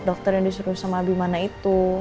dokter yang disuruh sama abimana itu